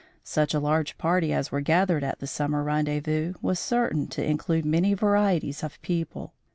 Such a large party as were gathered at the summer rendezvous was certain to include many varieties of people.